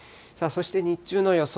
そして日中の予想